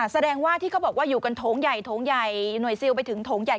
แสดงว่าที่เขาบอกว่าอยู่กันโถงใหญ่โถงใหญ่หน่วยซิลไปถึงโถงใหญ่